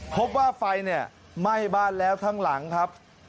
พบว่าไฟเนี่ยไหม้บ้านแล้วทั้งหลังครับ